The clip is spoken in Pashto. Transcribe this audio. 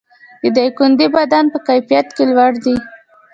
د دایکنډي بادام په کیفیت کې لوړ دي